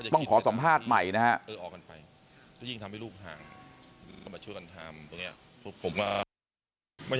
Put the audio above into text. ขอสัมภาษณ์ใหม่นะฮะ